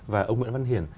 và ông nguyễn văn hiển